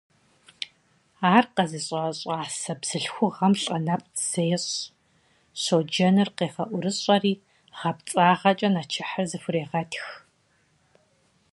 Ар къэзыщӏа щӏасэ бзылъхугъэм лӏэ нэпцӏ зещӏ, щоджэныр къегъэӏурыщӏэри, гъэпцӏагъэкӏэ нэчыхьыр зыхурегъэтх.